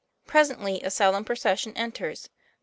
Presently a solemn procession enters.